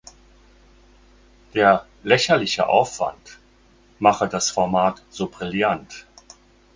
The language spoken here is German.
Der „lächerliche Aufwand“ mache das Format so brillant.